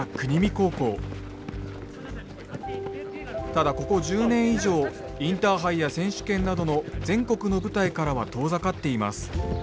ただここ１０年以上インターハイや選手権などの全国の舞台からは遠ざかっています。